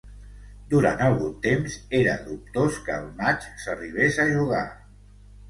Durant algun temps, era dubtós que el matx s'arribés a jugar.